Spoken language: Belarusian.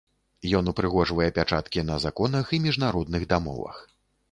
Ён упрыгожвае пячаткі на законах і міжнародных дамовах.